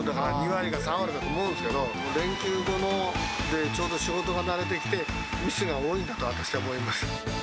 ２割か３割だと思うんですけど、連休後の、ちょうど仕事が慣れてきて、ミスが多いんだと私は思います。